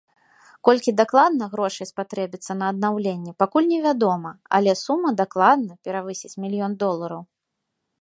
Колькі дакладна грошай спатрэбіцца на аднаўленне, пакуль невядома, але сума дакладна перавысіць мільён долараў.